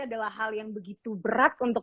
adalah hal yang begitu berat untuk